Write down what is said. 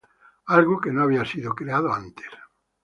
Algo que no había sido creado antes.